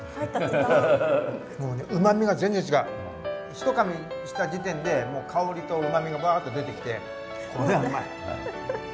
一かみした時点で香りとうまみがバっと出てきてこりゃうまい。